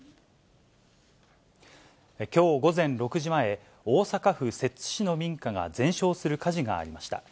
きょう午前６時前、大阪府摂津市の民家が全焼する火事がありました。